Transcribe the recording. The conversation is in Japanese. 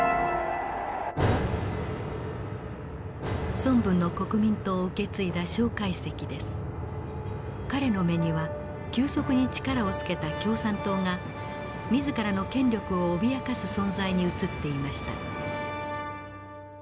孫文の国民党を受け継いだ彼の目には急速に力をつけた共産党が自らの権力を脅かす存在に映っていました。